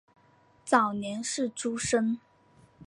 早年是诸生。